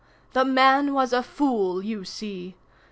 The man was a fool, you see.